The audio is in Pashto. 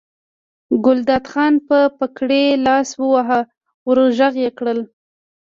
ګلداد خان په پګړۍ لاس وواهه ور غږ یې کړل.